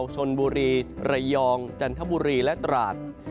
เซาสนโบรีระยองจันทบุรีและตราจ